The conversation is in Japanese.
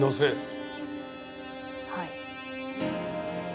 「はい」